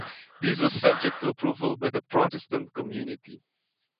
This was subject to approval by the Protestant community.